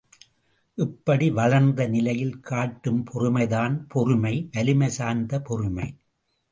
இப்படி வளர்ந்த நிலையில் காட்டும் பொறுமைதான் பொறுமை வலிமை சார்ந்த பொறுமை.